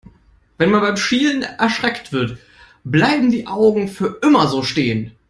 Wenn man beim Schielen erschreckt wird, bleiben die Augen für immer so stehen.